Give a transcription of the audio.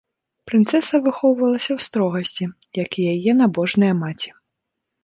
Прынцэса выхоўвалася ў строгасці, як і яе набожная маці.